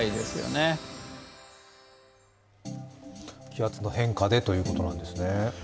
気圧の変化でということなんですね。